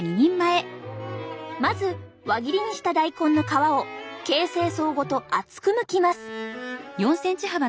まず輪切りにした大根の皮を形成層ごと厚くむきます。